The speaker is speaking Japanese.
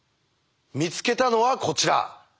見つけたのはこちら。